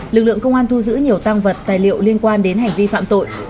lực lượng công an thu giữ nhiều tăng vật tài liệu liên quan đến hành vi phạm tội